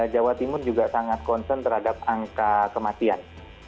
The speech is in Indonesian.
jawa timur juga sangat concern terhadap angka kematian